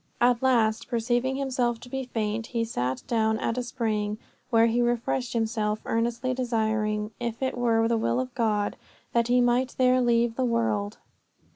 At last, perceiving himself to be faint, he sat down at a spring, where he refreshed himself, earnestly desiring, if it were the will of God, that he might there leave the world.